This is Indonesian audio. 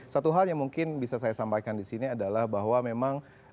satu hal yang mungkin bisa saya sampaikan di sini adalah bahwa memang